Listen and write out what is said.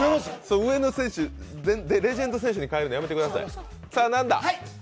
レジェンド選手に変えるのやめてください。